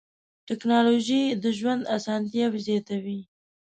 ټکنالوجي د ژوند اسانتیا زیاتوي.